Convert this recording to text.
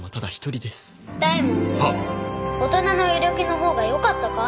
大人の色気の方がよかったか？